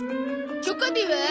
チョコビは？